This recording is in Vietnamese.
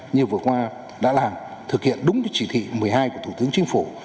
như vừa qua đã làm thực hiện đúng chỉ thị một mươi hai của thủ tướng chính phủ